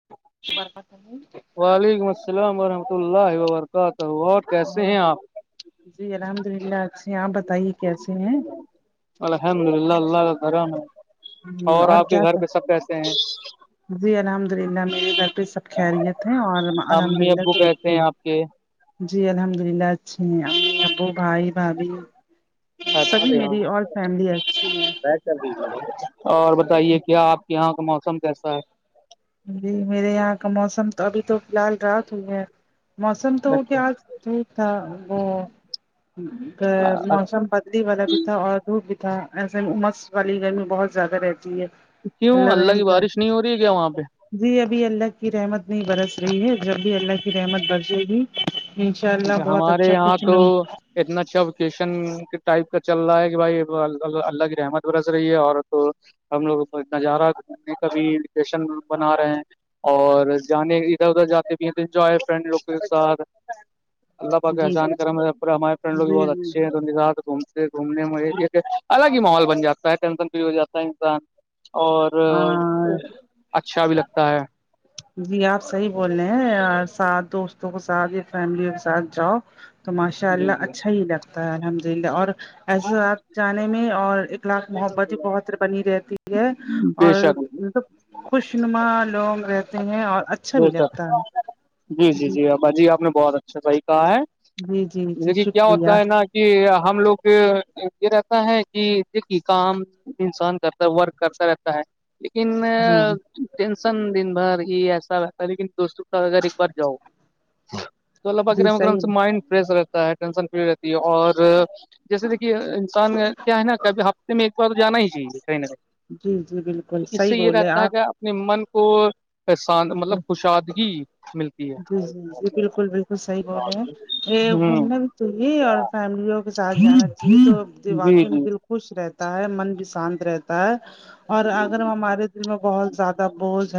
[unintelligible] بر پت نہیں وعلیکم السلام ورحمۃ اللہ وبرکاتہ اور کیسے ہیں آپ جی الحمد للہ آجھ آپ بتائیے کیسے ہیں الحمد للہ اللہ کا گھرم ہے جی اور آپ کے کیا گھر کر پہ سب کیسے ہیں جی الحمد للہ میرے گھر پہ سب خیریت ہے اور الحمد امی للہ س ابو کیسے ہیں آپ کے جی الحمد للہ اچھے ہیں اپو بھائی بھ سبھی اچھا میری آ فیملی اچھی ہے اور بتائیے کیا آپ کے یہاں کا موسم کیسا ہے جی میرے یہاں کا موسم تو ابھی تو فی الحال رات ہوئی ہے موسم تو ہے کیا ٹھیک تھا وہ اچھا موسم ی والا بھی تھا اور دھوپ بھی تھا ایسےمس والی گرمی بہت زیادہ رہتی ہے کیوں اللہ رحم کی کر بارش نہیں ہو رہی ہے کیا وہاں پہ جی ابھی اللہ کی رحمت نہیں برس رہی ہے جب بھی اللہ کی رحمت بر جے گی انشاء اللہ بہت ہمارے اچھا یہاں خوچھ تو نہ اتنا اچھا ووکیشن ٹائپ کا چل رہا ہے کہ بھائی اللہ کی رحمت برس رہی ہے اور ہم لوگوں کوناظار رہا ہے گھومنے کا بھی لکیشن بنا رہے ہیں اور جانے ادھر ادھر جاتے بھی ہیں تو انجوائے فرینڈ لوگوں کے ساتھ اللہ جی باکچان جی کر ہمارے فریڈ لو بھی جی بہت جی اچھے ہیں گھومتے گھومنے میں الگ ہی ماحول بن جاتا ہے ٹینشن فری ہو جاتا ہے انسان اور اچھا بھی لگتا ہے جی آپ صحیح بول رہے ہیں ساتھ دوستوں کے ساتھ یا فیملی کے ساتھ جاؤ تو ماشاء جی اللہ جی اچھا ہی لگتا ہے الحمد للہ اور ایسے آات جانے میں اور ایک اخلاق محبت ہی بہت بنی رہتی ہے بے اور شک مطلب خوش نما لوگ رہتے ہیں اور اا وہ سر جی جی جی آبا جی آپ نے بہت اچھا صحیح کہا ہے جی جی جی دیکھیےکیا شکریہ ہوتا ہے نا کہ ہم لوگ یہ رہتا ہے کہ د کام انسان کرتا ہے ورک کرتا رہتا ہے لیکن جی جی ٹینشن دن بھر ہی ایسا رہتا ہے لیکن دوستوں اگر بار جاؤ تو ل با کر جی ہم صحیح سے مائنڈ فریش رکھ ٹینشن فری رہتی ہے اور جیسے دیکھیے انسان کیا ہے نا کہبھی ہ میں ایک بار جانا ہی چاہیے کہیں ن نہ کہیں جی جی بالکل صحیح بولے آپ نمن کو شان جی مطلب کشادگی ملتی ہے جی جی جی بالکل بالکل صحیح بولے ہیں یہ ہ گھومنے تو یہ اور فیملیوں کے ساتھ جانا چاہیے تو د جی واقعی جی بالکل خوش رہتا ہے من بھی شانت رہتا ہے اور اگر ہمارے دل میں بہت زیادہ بوجھ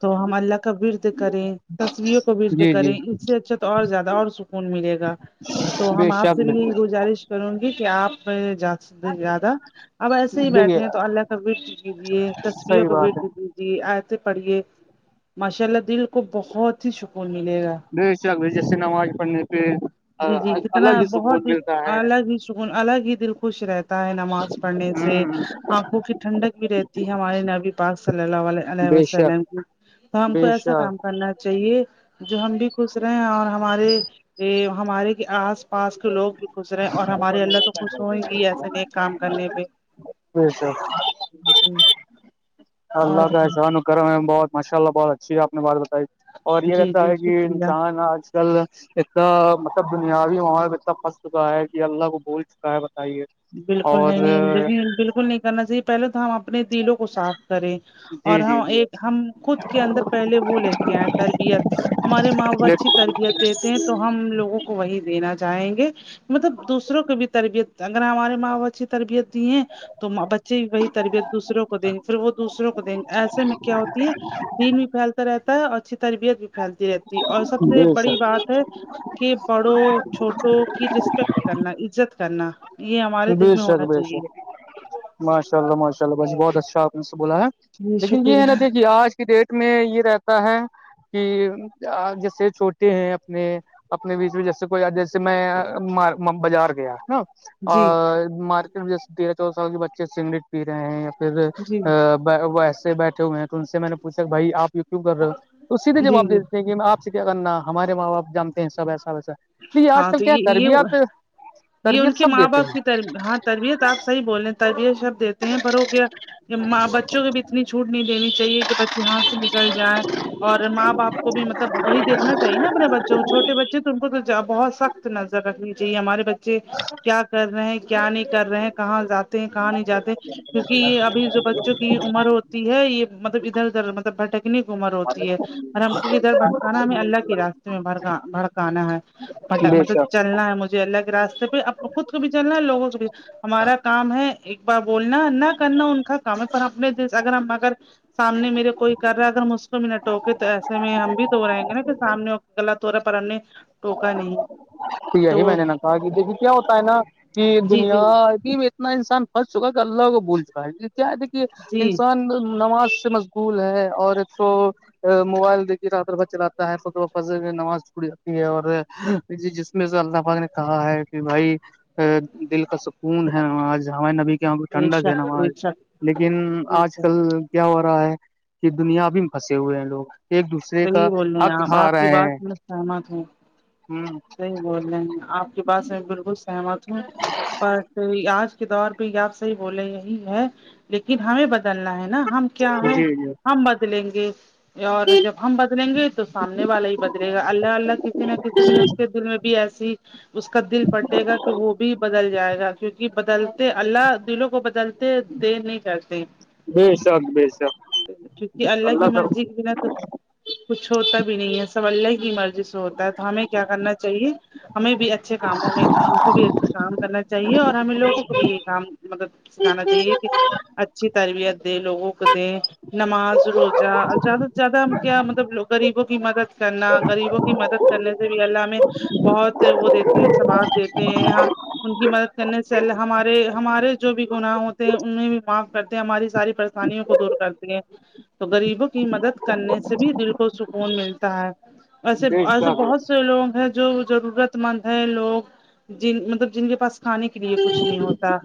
تو ہم اللہ کا رد کریں تصووں کو رد جی جی کریں اس سے اچھا تو اور زیادہ اور سکون ملے گا تو بے ہم آپ شک سے بھی بالکل گزارش کروں گی کہ آپ سے زیادہ اب ایسے ہی دیکھیے بیٹھے ہیں تو اللہ کبیر کیجے تصویر صحیح کبیر بات ہے ج دیجے ایسے پڑھیے ماشاء اللہ دل کو بہت ہی سکون ملے گا میں جیسے نماز پڑھنے پہ جی جی کتنا الگ ہی سکون بہت دل ملتا ہے الگ ہی سکون الگ ہی دل خوش رہتا ہے نماز پڑنے سے ہ آنکھوں کی ٹھنڈک بھی رہتی ہے ہماراری نبی پاک صلی اللہل بے شک وسلم کی تو ہم کو بے ایسا کام شک کرنا چاہیے جو ہم بھی خوش رہے اور ہمارے ہمارے آس پاس کے لوگ بھی خوش رہے اور ہمارے اللہ تو خوش ہوئے گی ایسے ن کام کرنے پہ جی سر جی جی اور اللہ کا بتائیں ش ن گرم ہے بہت ماشاء اللہ بہت اچھی ہے آپ نے بات بتائی اور یہ جی کہتا جی ہے کہ شکریہ انسان آج کل اتنا مطلب دنیاوی ماول اتنا پنس چکا ہے کہ اللہ کو بول چکا ہے بتائیے بالکل اور نہیں نہیں لیک بالکل نہیں کرنا چاہیے پہلے تو ہم اپنے دلوں کو صاف کریں اور جی جی ہم ایک جی ہم خود کے اندر پہلے وہ لے کے آئے تربیت ہمارے ماں بچی تربیت دیتے ہیں تو ہم لوگوں کو وہی دینا چاہیں گے مطلب دوسروں کو بھی تربیت اگر ہمارے ماں بچی تربیعت دی ہیں تو بچے بھی وہی تربیت دوسروں کو دیں پھر وہ دوسروں کو دیں گے ایسے میں کیا ہوتی ہے دین بھی پھیلتا رہتا ہے اور اچھی تربیت بھی پھیلتی رہتی جی اور سب سے بے بڑی شک بات ہے کہ بڑوں چھوٹوں کی رسپیکٹ کرنا عزت کرنا یہ ہمارے دل بے میں ہونا شک بے چاہیے شک ماشاء اللہ ماشا اللہ بس بہت اچھا آپ نے سے بولا ہے جی لیکن یہ ہے نا شکریہ دیکھیے آج ڈیٹ میں یہ رہتا ہے کہ جیسے چھوٹے ہیں اپنے اپنے بیچ میں جیسے کوئی جیسے میں بازار گیا نا جی مارکیٹ میں جیسے تیرہ چار سال کے بچے سگریٹ پی رہے ہیں یا جی پھر وہ ایسے بیٹھے ہوئے ہیں تو ان سے میں نے پوھا کہ بھائی آپ یہو کیوں کر رہے ہو تو سیدھے جی جواب جی دے دیتے ہیں کہ آپ ج ا کرنا ہمارے ماں باپ جانتے ہیں سب ایسا ویسا دیکھیے آج ہاں کل تو کیا یہ کر بھی آپ س یہ سبجیکٹ کیر ہاں تربیت آپ صحیح بول رہے ہیں تربیت شبد دیتے ہیں پر وہ کیااں بچوں کے اتنی چھوٹ نہیں دینی چاہیے کہ بچے ہاتھ سے نکل جائے اور ماں باپ کو بھی مطلب وہی دیکھنا چاہے نا اپنے بچوں کو چھوٹے بچے تو ان کو تو بہت سخت نظر رکھنی چاہیے ہمارے بچے کیا کر رہے ہیں کیا نہیں کر رہے ہیں کہاں جاتے ہیں کہاں نہیں جاتے کیونکہ یہ ابھی جو بچوں کی عمر ہوتی تی ہے یہ مطلب ادھر ادھر مطلب بھٹکنی کی عمر ہوتی ہے اور ہم کو ادھر بھٹکانا ہمیں اللہ کے راستے میں بک بھڑکانا ہے پٹ بے شک مطلب چلنا ہے مجھے اللہ کے راستے پہ خود کو بھی چلنا ہے لوگوں کو بھی ہمارا کام ہے ایک بار بولنا نہ کرنا ان کا کام ہے پر اپنے دیس اگر ہم اگر سامنے میرے کوئی کر رہا ہے اگر مس س م ٹوکے تو ایسے میں ہم بھی تو رہےیں گے نا کہھر سامنے گل تو ہو رہا پر ہم نے ٹوکا نہیں تو یہی میں نے ن کہا کہ دیکھیے کیا ہوتا ہے نا کہ جی دنیا جی اتنا انسان پنس چکا کہ اللہ کو بھول چکا ہے کیا ہے د کہ جی انسان نماز سے اسکول ہے اور موبائل دیکھیے رات ر بھر چلاتا ہے پ نماز چھوڑ جاتی ہے اور ج مز اللہفا نے کہا ہے کہ بھائی دل کا سکون ہےامع نبی پہ بے ٹھنڈا ہے شک ن بے آج شک لیکن بے آج شک کل کیا ہو رہا ہے کہ دنیا ابھی میں پھسے ہوئے ہیں لوگ ایک دوسرے کا صحیح بول رہے ہیں حق آپ کھا آپ کی رہے ہیں بات ہ صحی بول رہے ہیں آپ کے بس میں بالکل سہمت ہوں بس آج کے دور پہ یہ آپ صحیح بولے یہی ہے لیکن ہمیں بدلنا ہے نا ہم کیا ہے جی جی ہم بدلیں گے اور جی جب ہم بدلیں گے تو سامنے والا ہی بدلے گا اللہ اللہ کسی نہ کسی دن کے دل میں بھی ایسی اس کا دل پٹے گا کہ وہ بھی بدل جائے گا کیونکہ بدلتے اللہ دلوں کو بدلتے د نہیں کرتے بے شک بے شک کیونکہ اللہ کی مرضی کے بنا تو کچھ ہوتا بھی نہیں ہے س اللہ کی مرضی ہوتا ہے تو ہمیں کیا کرنا چاہیے ہمیں بھی اچھے کاموں میں ہم کو بھی اچھے کام کرنا چاہیے اور ہمیں لوگوں کو بھی یہ کام مطلب سکھانا چاہیے کہ اچھی تربیت دے لوگوں کو دیں نماز روزہ زیادہ سے زیادہ ہم کیا مطلب غریبوں کی مدد کرنا غریبوں کی مدد کرنے سے اللہ میں بہت وہ دیتے ہیں سواب دیتے ہیں یہاں ان کی مدد کرنے سےے ہمارے ہمارے جو بھی گناہ ہوتے ہیں ان میں بھی معاف کرتے ہیں ہماری ساری پریشانیوں کو دور کرتے ہیں تو غریبوں کی مدد کرنے سے بھی دل کو سکون ملتا ہے ایسے بے ایسے شک بہت لوگ ہیں جو ضرورت مند ہے لوگ جن مطلب جن کے پاس کھانے کے لیے کچھ نہیں ہوتا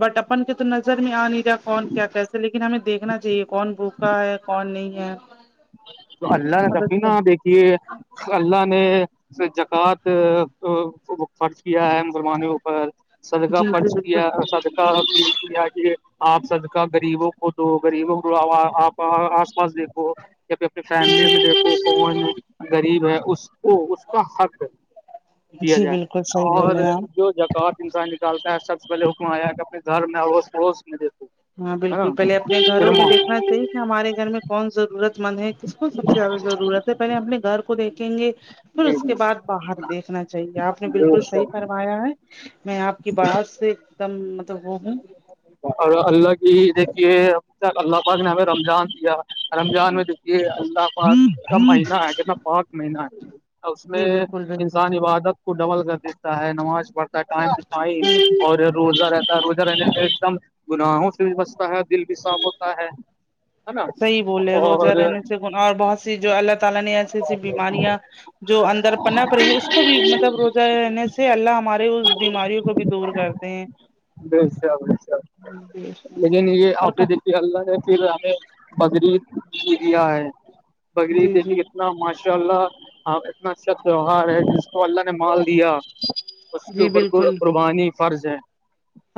بٹ اپن کے تو نظر میں آ نہیں رہا کون کیا کیسے لیکن ہمیں دیکھنا چاہیے کون بک ا ہے کون نہیں ہے تو اللہ نے دق مدد نا کر دیکھیے اللہ نے اس جکۃ فرض کیا ہے مسلمانوں اوپر صدقہ جی جی خرچ بالکل کیا صدکہ اپیل کیا کہ آپ صدکہ غریب ہو وہ دو غریبوں آپ آس پاس دیکھو اپنی فیملی جی میں دیکھو کون غریب ہے اس کو اس کا حق ہے دیا جی جائے بالکل صحیح بول اور رہے ہیں آپ جو جب بہت انسان نکالتا ہے سب سے پہلے حکم آیا کہ اپنے گھر میں اوروس پڑوس میں دیتے ہاں بالکل پہلے اپنے گھروں میں دیکھنا چاہیے کہ ہمارے گھر میں کون ضرورت من ہے کس کو سب سے زیادہ ضرورت ہے پہلے اپنے گھر کو دیکھیں گے پھر اس کے بعد باہر دیکھنا چاہیے آپ نے جی بالکل جی صحیح فم ہے میں آپ کی بات سے ایک دم مطلب وہ ہوں اور اللہ کی دیکھیے اللہ پاک نے ہمیں رمضان دیا رمضان میں دیکھیے اللہ کااک ک کا مہینہ ہے کتنا فاک مہینہ ہے اس میں جی بالکل بالکل انسان عبادت کو ڈبل کر دیتا ہے نماز پڑھتا ہے بالکل ٹائمٹ اور روزہ روزہ رہنے کا ایک دم گناہوں سے بھی بچتا ہے دل بھی صاف ہوتا ہے نا صحیح بولے روزہ اور رہنے سے گ اور بہت سی جو اللہ تعالی نے ایسی ایسی بیماریاں جو اندر پن پ رہی ہے اس کو بھی مطلب روزہ رہنے سے اللہ ہمارے اس بیماری کو بھی دور کرتے ہیں ویسا ویسا لیکن یہ اور آپ کا یہ د اللہ نے پھر ہمیں بکرییدی دیا ہے بکریید جی دوی جی کے انا ماشاء اللہ اتنا اچھا تیوہار ہے جس کو اللہ نے مال دیا اس کے جی اوپر بالکل قربانی فرض ہے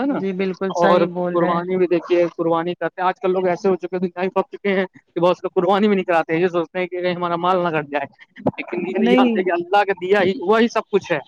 ہے نا جی بالکل اور صحیح بول رہے ہیں قربانی دیکھیے قربانی کرتے ہیں آج کل لگ ایسے ہو چکے ہیں دنیں پھپ چکے ہیں کہ ب اس کا قربانی بھی نکلاتتے ہیں یہ سوچتے ہیں کہ ہمارا مال نہ کٹ جائے نہیں اللہ کا دیا ہی وہی سب کچھ ہے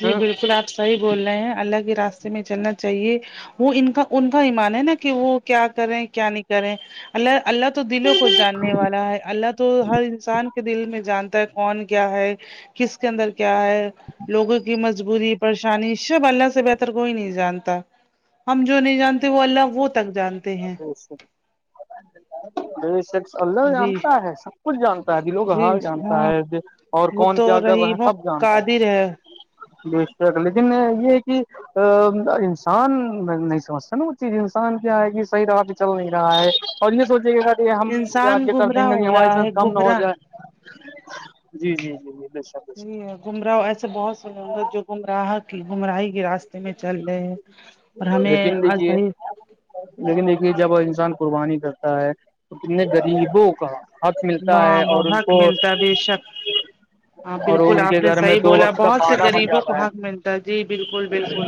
جی بالکل آپ صحیح بول رہے ہیں اللہ کے راستے میں چلنا چاہیے وہ ان کا ان کا ایمان ہے نا کہ وہ کیا کریں کیا نہیں کریں اللہ اللہ تو دلوں کو جاننے والا ہے اللہ تو ہر انسان کے دل میں جانتا ہے کون کیا ہے کس کے اندر کیا ہے لوگوں کی مجبوری پریشانی سب اللہ سے بہتر کوئی نہیں جانتا ہم جو نہیں جانتے وہ اللہ وہ تک جانتے ہیں شخ اللہلہ نام جی کا ہے سب کچ جانتا ہے دلوں کا جی حال جانتا ہاں ہے اور وہ کون تو کیا گ ہے رحیم و سب جانتا ہے قادر بیس لیکن یہ ہے کہ [unintelligible] ا انسان نہیں سمجھتا نا وہ چیز انسان کیا ہے کہ صحی طرح سےہ چل نہیں رہا ہے اور یہ سوچیے گا گا کہ ہم آگ انسان یہ کر گمراہ دیں گے کہ ہو ہمارے رہا ہے ساتھ کم نہ ہو گمراہ جائے جی جی جی جی شک بے یہ شک ہے گمراہ ایسے بہت سے لگ جو گمراہ کی گمراہی کے راستے میں چل رہے ہیں اور ہمیں لیکن آج دیکھیے صیح [unintelligible] لیکن دیکھیے جب انسان قربانی کرتا ہے تو کت نے غریبوں کا حق ملتا ہے اور ان کو بیشک ہاں اور بالکل ان آپ کے نے گھر میں صحیح دو بولا وقت کا بہت سے کھانا بن غریبوں کو جاتا ہے حق ملتا ہے جی بالکل بالکل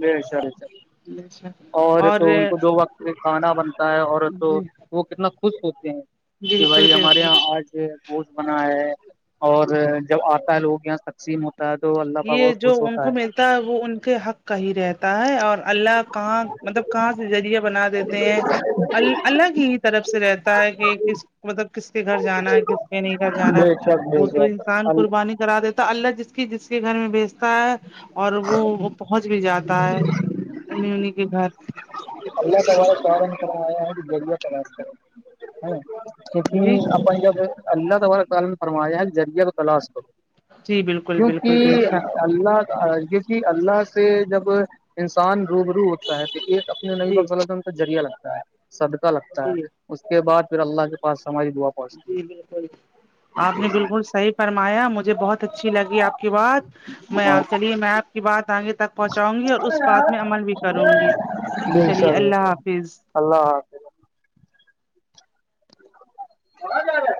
ب چال چ [unintelligible] جیش [unintelligible] اور تو ان کو دو وقت کھانا بن ہے اور تو وہ کتنا خوش ہوتے ہیں کہ بالکل بھائی ہمارے بالکل یہاں آج ش بنا ہے اور جب آتا ہے لوگ یہاں تقسیم ہو یہ جو ان کو ملتا ہے وہ ان کے حق کا ہی رہتا ہے اور اللہ کہاں مطلب کہاں سے ذریعہ بنااتے دیتے ہیں ال اللہ کی ہی طرف سے رہتا ہے کہ ک مطلب کس کے گھر جانا ہے کس کے نہیں گھر جانا بے شک بے وہ تو شک انسان قربانی کرا دیتا اللہ جس کی جس کے گھر میں بیچتا ہے اور وہ پہنچ بھی جاتا ہے انیں انیں کے گھر فارم کریالہ تار کرا ہ [unintelligible] جی کیونکہ اپن جب اللہ تبارک تعالی نے فرمایا ہے ذریعہ کو تلاش کرو جی بالکل بالکل بے کیونک شک اللہ کیونک کہ اللہ سے جب انسان روب رو ہوتا ہے تو ایک اپنے نبی جی ب ص جذرییا لگتا ہے صدقہ لگتا جی ہے اس کے بعد پھر اللہ کے پاس ساری دعا پہنچتی جی بالکل آپ نے بالکل صحیح فرمایا مجھے بہت اچھی لگی آپ کی بات میں ہے چلیے میں آپ کی بات آئ گی تک پہنچاؤں گی اور اس بات میں عمل بھی کروں گی چلیے اللہ حافظ اللہ [unintelligible] جے [inaudible]